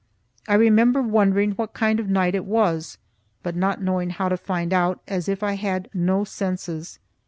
I remember wondering what kind of a night it was, but not knowing how to find out, as if I had no senses.